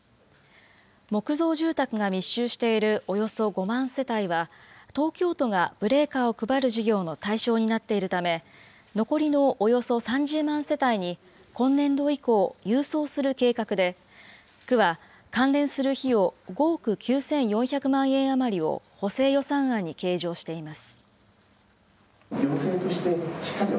木造住宅が密集しているおよそ５万世帯は、東京都がブレーカーを配る事業の対象になっているため、残りのおよそ３０万世帯に今年度以降、郵送する計画で、区は関連する費用５億９４００万円余りを補正予算案に計上しています。